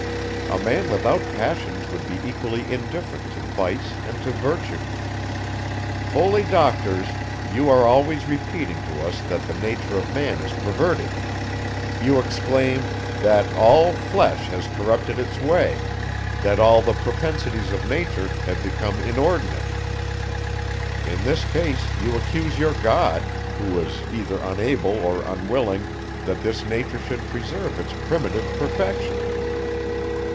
A man without passions would be equally indifferent to vice and to virtue. Holy Doctors! you are always repeating to us that the nature of man is perverted; you exclaim, "that all flesh has corrupted its way, that all the propensities of nature have become inordinate." In this case, you accuse your God; who was either unable, or unwilling, that this nature should preserve its primitive perfection.